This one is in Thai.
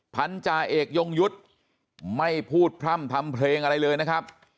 พันธาเอกยงยุทธ์ไม่พูดพร่ำทำเพลงอะไรเลยนะครับ